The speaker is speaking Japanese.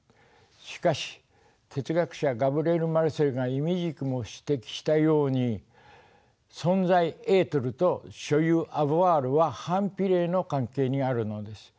しかし哲学者ガブリエル・マルセルがいみじくも指摘したように「存在Ｅｔｒｅと所有Ａｖｏｉｒは反比例の関係にある」のです。